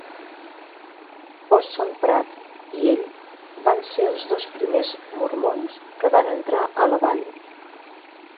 Orson Pratt i ell van ser els dos primers mormons que van entrar a la vall.